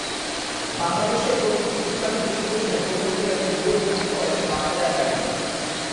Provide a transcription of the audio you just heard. বাংলাদেশে প্রথম ইসলামী বিশ্বকোষের প্রণয়নের উদ্যোগ গ্রহণ করেন বাংলা একাডেমী।